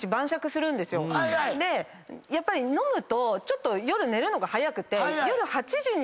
やっぱり飲むとちょっと夜寝るのが早くて。